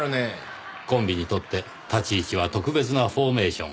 コンビにとって立ち位置は特別なフォーメーション。